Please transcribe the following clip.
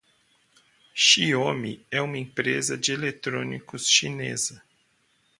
Xiaomi é uma empresa de eletrônicos chinesa.